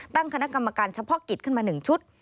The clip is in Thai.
ตั้งคณะกรรมการเฉพาะกิจขึ้นมา๑ชุด